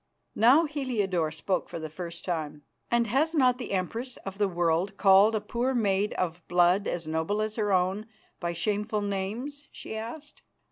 Now Heliodore spoke for the first time. "And has not the Empress of the World called a poor maid of blood as noble as her own by shameful names?" she asked.